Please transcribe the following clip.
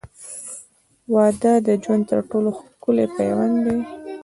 • واده د ژوند تر ټولو ښکلی پیوند دی.